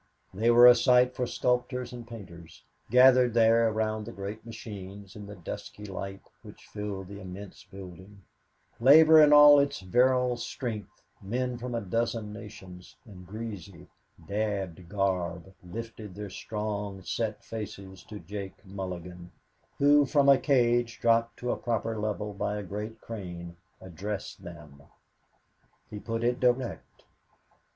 They were a sight for sculptors and painters, gathered there around the great machines in the dusky light which filled the immense building labor in all of its virile strength, men from a dozen nations, in greasy, daubed garb lifted their strong, set faces to Jake Mulligan, who, from a cage dropped to a proper level by a great crane, addressed them. He put it direct.